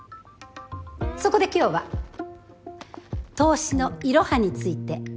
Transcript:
そこで今日は投資のいろはについて。